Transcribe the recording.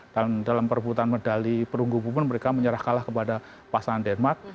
dan dalam perebutan medali perunggung pemen mereka menyerah kalah kepada pasangan dl